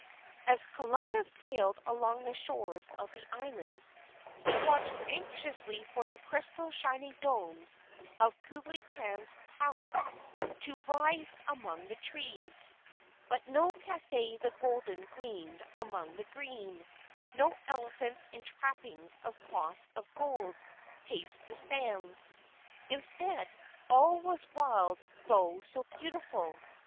As Columbus sailed along the shores of the islands, he watched anxiously for the crystal shining domes of Kublai Khan's Palace to rise among the trees. But no Cathay the Golden gleamed among the green, no elephants in trappings of cloth of gold, paced the sands. Instead, all was wild though so beautiful.